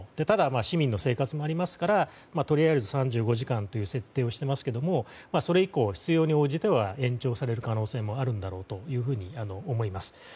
ただ、市民の生活もありますからとりあえず３５時間という設定をしていますがそれ以降、必要に応じて延長される可能性もあるんだろうというふうに思います。